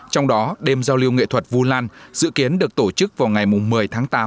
trong đó đêm giao lưu nghệ thuật vu lan dự kiến được tổ chức vào ngày một mươi tháng tám